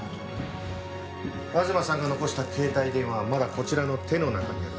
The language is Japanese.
東さんが残した携帯電話はまだこちらの手の中にある。